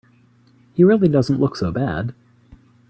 He really doesn't look so bad.